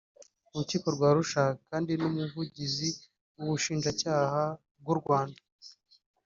urukiko rw’Arusha kandi n’umuvugizi w’ubushinjacyaha bw’u Rwanda